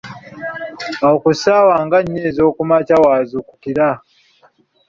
Awo ku ssaawa nga nnya ez’okumakya w’azuukukira.